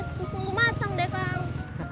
terus tunggu matang deh kang